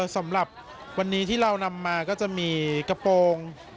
สำหรับวันนี้ที่เรานำมาก็จะมีกระโปรง